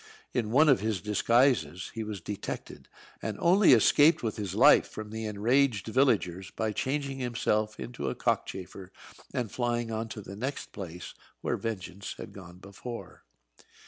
In one of his disguises he was detected, and only escaped with his life from the enraged villagers by changing himself into a cockchafer and flying on to the next place, where Vengeance had gone before.